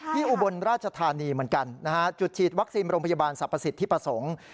อุบลราชธานีเหมือนกันนะฮะจุดฉีดวัคซีนโรงพยาบาลสรรพสิทธิประสงค์